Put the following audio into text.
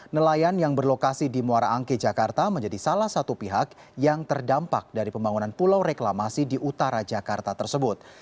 nelayan yang berlokasi di muara angke jakarta menjadi salah satu pihak yang terdampak dari pembangunan pulau reklamasi di utara jakarta tersebut